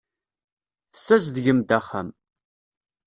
Tessazedgem-d axxam.